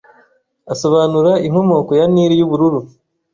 asobanura inkomoko ya Nil y'ubururu